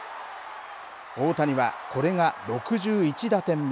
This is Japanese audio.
大谷はこれが６１打点目。